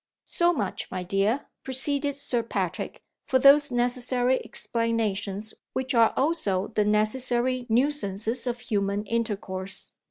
"So much, my dear," proceeded Sir Patrick, "for those necessary explanations which are also the necessary nuisances of human intercourse.